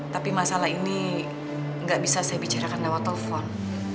tapi masalah ini gak bisa saya bicarakan lewat telfon